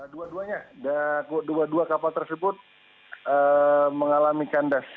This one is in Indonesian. dua duanya dua dua kapal tersebut mengalami kandas